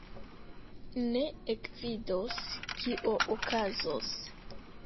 Ni ekvidos, kio okazos.